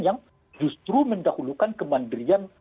yang justru mendahulukan kemandirian